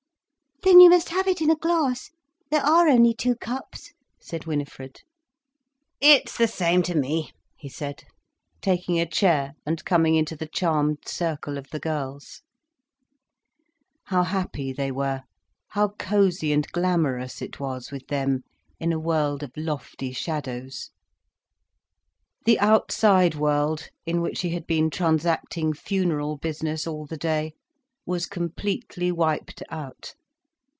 "Then you must have it in a glass—there are only two cups," said Winifred. "It is the same to me," he said, taking a chair and coming into the charmed circle of the girls. How happy they were, how cosy and glamorous it was with them, in a world of lofty shadows! The outside world, in which he had been transacting funeral business all the day was completely wiped out.